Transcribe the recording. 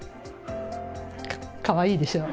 かわいいでしょ。